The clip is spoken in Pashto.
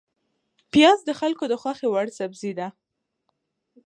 پیاز د خلکو د خوښې وړ سبزی ده